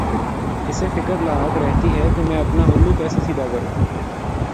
اسے فکر لاحق رہتی ہے کہ میں اپنا الو کیسے سیدھا کروں۔